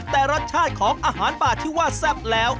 แต่รสชาติของอาหารป่าที่ว่าแซ่บแล้ว